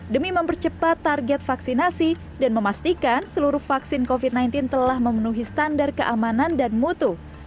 demi mempercepat target vaksinasi dan memastikan seluruh vaksin covid sembilan belas telah memenuhi standar keamanan dan mutu